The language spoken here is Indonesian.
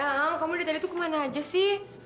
sayang kamu dari tadi tuh kemana aja sih